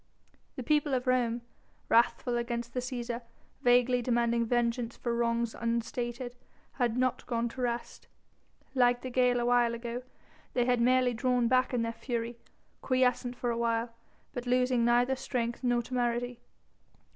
The people of Rome, wrathful against the Cæsar, vaguely demanding vengeance for wrongs unstated, had not gone to rest. Like the gale a while ago they had merely drawn back in their fury, quiescent for a while, but losing neither strength nor temerity.